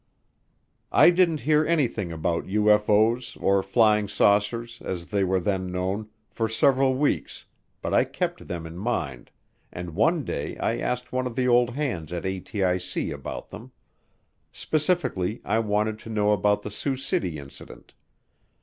I didn't hear anything about UFO's, or flying saucers, as they were then known, for several weeks but I kept them in mind and one day I asked one of the old hands at ATIC about them specifically I wanted to know about the Sioux City Incident.